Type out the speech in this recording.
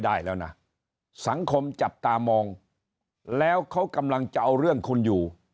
ได้แล้วนะสังคมจับตามองแล้วเขากำลังจะเอาเรื่องคุณอยู่